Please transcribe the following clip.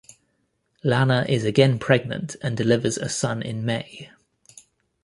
Lana is again pregnant and delivers a son in May.